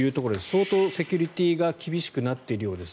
相当セキュリティーが厳しくなっているようです。